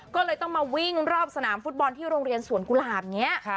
ก็เลยต้องมาวิ่งรอบสนามฟุตบอลที่โรงเรียนสวนกุหลาบอย่างนี้